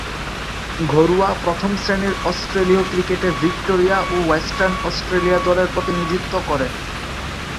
ঘরোয়া প্রথম-শ্রেণীর অস্ট্রেলীয় ক্রিকেটে ভিক্টোরিয়া ও ওয়েস্টার্ন অস্ট্রেলিয়া দলের প্রতিনিধিত্ব করেন।